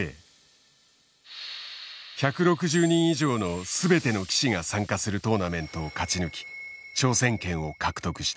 １６０人以上の全ての棋士が参加するトーナメントを勝ち抜き挑戦権を獲得した。